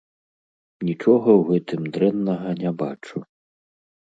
Нічога ў гэтым дрэннага не бачу.